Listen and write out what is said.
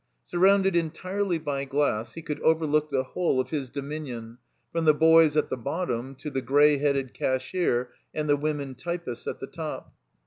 Surroimded entirely by glass, he could overlook the whole of his dominion, from the boys at the bottom to the gray headed cashier and the women typists at the top.